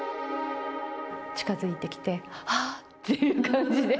近づいてきて、はっ！っていう感じで。